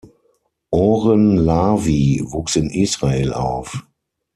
Oren Lavie wuchs in Israel auf.